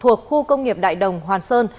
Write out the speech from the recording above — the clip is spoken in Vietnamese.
thuộc khu công nghiệp đại đồng hoàn sơn